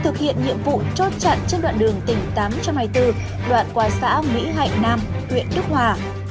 thực hiện nhiệm vụ chốt chặn trên đoạn đường tỉnh tám trăm hai mươi bốn đoạn qua xã mỹ hạnh nam huyện đức hòa